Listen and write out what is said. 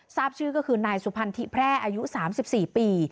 ทราบชื่อก็คือนายสุพรรณทิแพร่อายุ๓๔ปี